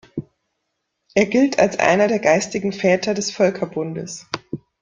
Er gilt als einer der geistigen Väter des Völkerbundes.